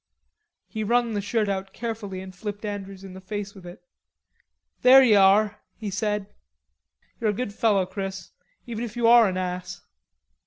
He wrung the shirt out carefully and flipped Andrews in the face with it. "There ye are," he said. "You're a good fellow, Chris, even if you are an ass."